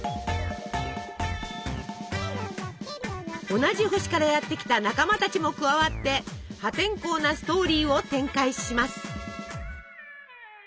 同じ星からやって来た仲間たちも加わって破天荒なストーリーを展開します。